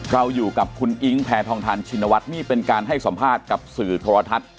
เราอยู่กับคุณอิ๊งแพทองทานชินวัฒน์นี่เป็นการให้สัมภาษณ์กับสื่อโทรทัศน์